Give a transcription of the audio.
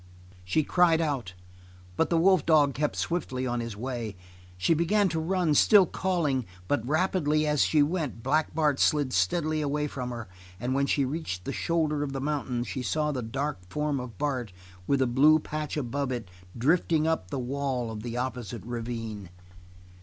She cried out, but the wolf dog kept swiftly on his way. She began to run, still calling, but rapidly as she went, Black Bart slid steadily away from her, and when she reached the shoulder of the mountain, she saw the dark form of Bart with the blue patch above it drifting up the wall of the opposite ravine.